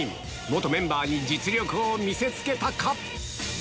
元メンバーに実力を見せつけたか？